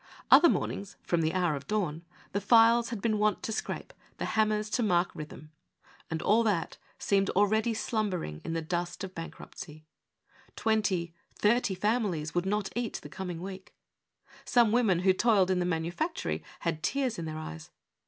Other mornings, from the hour of dawn, the files had been wont to scrape, the hammers to mark rhythm, and all that seemed already slumbering in the dust of bank ruptcy. Twenty, thirty families would not eat the com ing week. Some women who toiled in the manufactory had tears in their eyes.